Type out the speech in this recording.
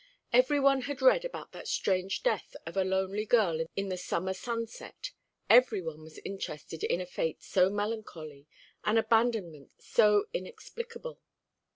Every one had read about that strange death of a lonely girl in the summer sunset. Every one was interested in a fate so melancholy an abandonment so inexplicable.